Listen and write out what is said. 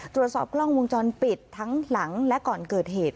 ตรวจสอบกล้องวงจรปิดทั้งหลังและก่อนเกิดเหตุ